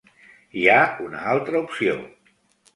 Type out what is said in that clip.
Hi ha una altra opció.